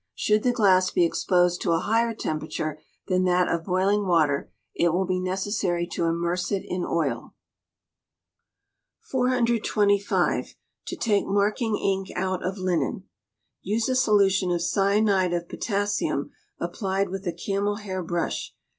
Should the glass be exposed to a higher temperature than that of boiling water, it will be necessary to immerse it in oil. 425. To take Marking Ink out of Linen. Use a solution of cyanide of potassium applied with a camel hair brush.